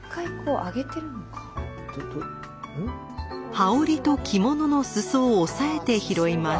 羽織と着物の裾を押さえて拾います。